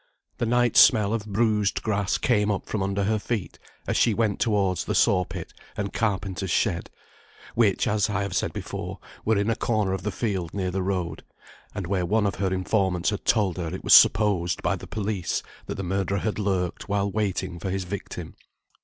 The night smell of bruised grass came up from under her feet, as she went towards the saw pit and carpenter's shed, which, as I have said before, were in a corner of the field near the road, and where one of her informants had told her it was supposed by the police that the murderer had lurked while waiting for his victim.